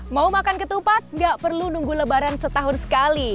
mau makan ketupat nggak perlu nunggu lebaran setahun sekali